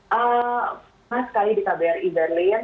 pernah sekali di kbri berlin